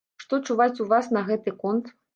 Што чуваць у вас на гэты конт?